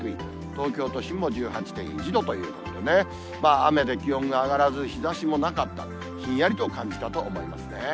東京都心も１８．１度ということでね、雨で気温が上がらず日ざしもなかった、ひんやりと感じたと思いますね。